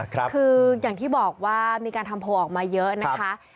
คืออย่างที่บอกว่ามีการทำโพลออกมาเยอะนะคะ